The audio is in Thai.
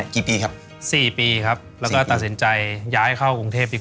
ก้าวแรกสู่คับช้างสื่อ